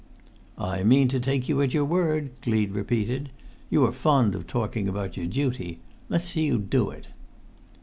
"I mean to take you at your word," Gleed repeated. "You are fond of talking about your duty. Let's see you do it."